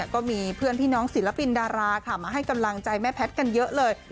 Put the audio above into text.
ก็มีเพื่อนพี่น้องศิลปินดาราค่ะมาให้กำลังใจแม่แพทย์กันเยอะเลย